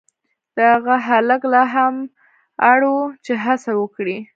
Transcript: دغه هلک لا هم اړ و چې هڅه وکړي.